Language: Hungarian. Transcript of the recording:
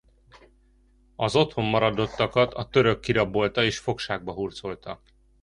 Az otthon maradottakat a török kirabolta és fogságba hurcolta.